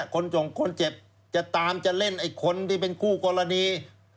คนเจ็บจะตามจะเล่นไอ้คนที่เป็นคู่กรณี